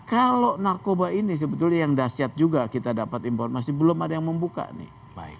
kalau narkoba ini sebetulnya yang dahsyat juga kita dapat informasi belum ada yang membuka nih